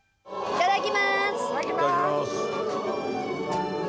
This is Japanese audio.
いただきます。